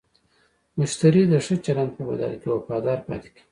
مشتری د ښه چلند په بدل کې وفادار پاتې کېږي.